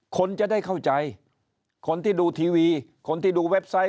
คนจะได้เข้าใจคนที่ดูทีวีคนที่ดูเว็บไซต์